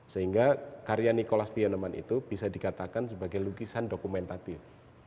sehingga karya nikolas pienaman itu bisa dikatakan sebagai lukisan dokumentatif